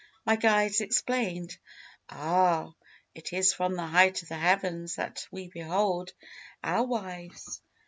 My guides exclaimed, 'Ah, it is from the height of the heavens that we behold our wives!'